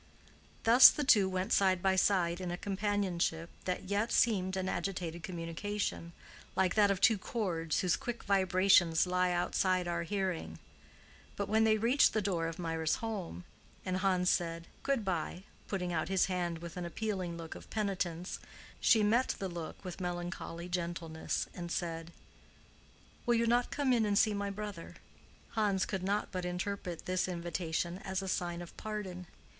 Thus the two went side by side in a companionship that yet seemed an agitated communication, like that of two chords whose quick vibrations lie outside our hearing. But when they reached the door of Mirah's home, and Hans said "Good bye," putting out his hand with an appealing look of penitence, she met the look with melancholy gentleness, and said, "Will you not come in and see my brother?" Hans could not but interpret this invitation as a sign of pardon.